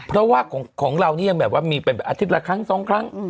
เพราะว่าของเรานี่ยังแบบว่ามีเป็นแบบอาทิตย์ละครั้งสองครั้ง